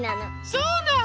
そうなの！